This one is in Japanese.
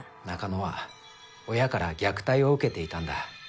中野は親から虐待を受けていたんだ。